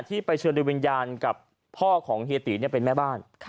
ไปเชิญโดยวิญญาณกับพ่อของเฮียตีเป็นแม่บ้าน